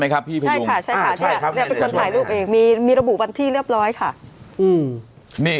มั้ยครับมีระบุพันที่เรียบร้อยค่ะอืม